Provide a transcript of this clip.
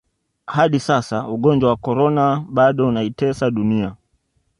hadi sasa ugonjwa wa Corona bado unaitesa dunia